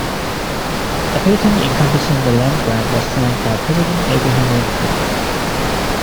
A patent encompassing the land grant was signed by President Abraham Lincoln.